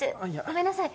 ごめんなさい。